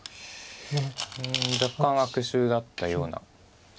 うん若干悪手だったような。